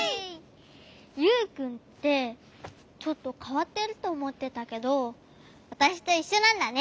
ユウくんってちょっとかわってるとおもってたけどわたしといっしょなんだね。